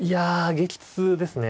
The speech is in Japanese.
激痛ですね。